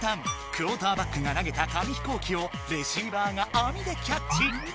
クオーターバックが投げた紙飛行機をレシーバーがあみでキャッチ。